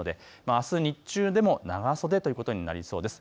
あす日中でも長袖ということになりそうです。